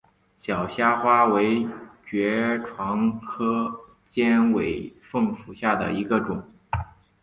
小虾花为爵床科尖尾凤属下的一个种。